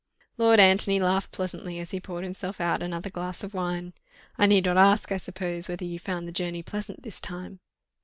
Lord Antony laughed pleasantly as he poured himself out another glass of wine. "I need not ask, I suppose, whether you found the journey pleasant this time?"